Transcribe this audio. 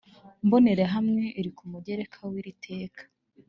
mbonerahamwe iri ku mugereka w iri teka